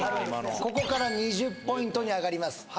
ここから２０ポイントに上がります